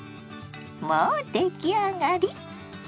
もう出来上がり。